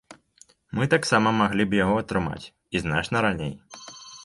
Мы таксама маглі б яго атрымаць, і значна раней.